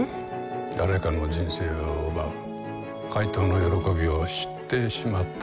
誰かの人生を奪う怪盗の喜びを知ってしまった者。